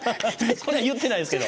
これは言っていないですけど。